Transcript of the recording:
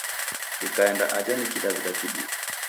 Dikaenda aja ni Kidaw'ida kiduu.